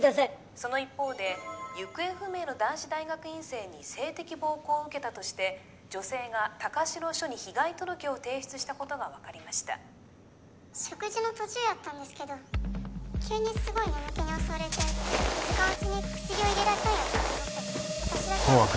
その一方で行方不明の男子大学院生に性的暴行を受けたとして女性が高白署に被害届を提出したことが分かりました食事の途中やったんですけど急にすごい眠気に襲われて気付かんうちに薬を入れられたんやと思います